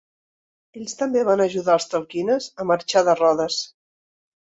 Ells també van ajudar els Telquines a marxar de Rodes.